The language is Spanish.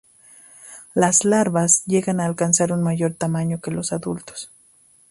Las larvas llegan a alcanzar un mayor tamaño que los adultos.